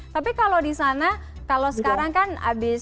tapi kalau di sana kalau sekarang kan habis